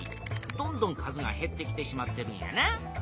どんどん数がへってきてしまってるんやな。